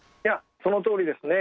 そのとおりですね。